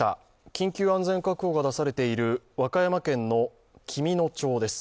緊急安全確保が出されている和歌山県の紀美野町です。